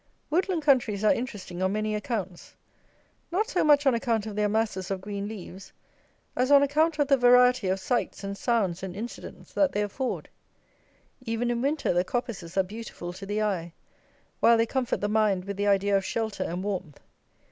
Woodland countries are interesting on many accounts. Not so much on account of their masses of green leaves, as on account of the variety of sights and sounds and incidents that they afford. Even in winter the coppices are beautiful to the eye, while they comfort the mind with the idea of shelter and warmth.